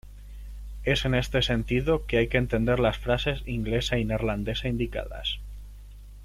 Es en este sentido que hay que entender las frases inglesa y neerlandesa indicadas.